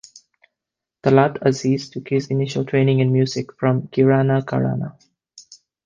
Talat Aziz took his initial training in music from Kirana Gharana.